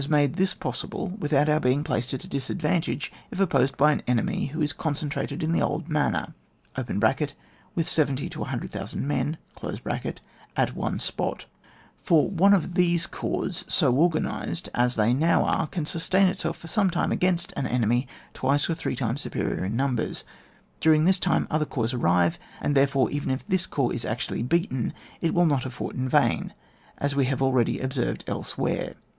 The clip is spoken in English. made this possible without our being placed at a disadvantage if opposed to an enemy who is concentrated in the old manner (with 70,000 to 100,000 men) at one spot; for one of these corps, so organised as they now are, can sustain itself for some time against an enemy twice or three times superior in numbers; during this time other corps arrive, and therefore, even if this corps is actually beaten, it will not have fought in vain, as we have already observed elsewhere.